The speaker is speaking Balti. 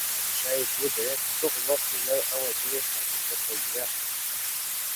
بادشائی بُو دیرے ستروق لوقسے ینگ ان٘وے دُونُو حاضر گویدپا جُویا